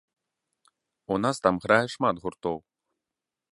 У нас там грае шмат гуртоў.